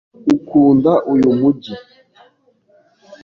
Ukunda uyu mujyi?